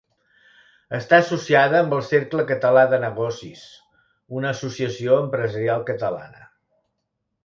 Està associada amb el Cercle Català de Negocis, una associació empresarial catalana.